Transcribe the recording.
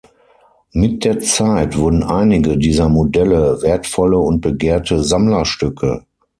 Mit der Zeit wurden einige dieser Modelle wertvolle und begehrte Sammlerstücke.